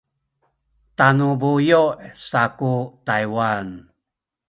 tanu buyu’ saku Taywan